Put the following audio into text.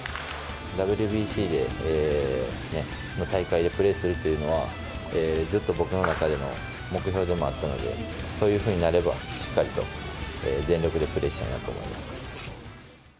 ＷＢＣの大会でプレーするというのはずっと僕の中でも目標であったので、そういうふうになれば、しっかりと全力でプレーしたいなと思います。